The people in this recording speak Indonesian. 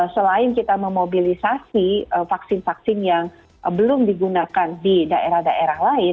selain kita memobilisasi vaksin vaksin yang belum digunakan di daerah daerah lain